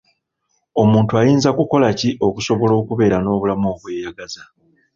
Omuntu ayinza kukola ki okusobola okubeera n'obulamu obweyagaza?